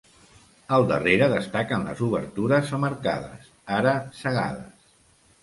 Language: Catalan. Al darrere destaquen les obertures amb arcades, ara cegades.